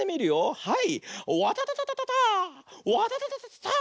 はい！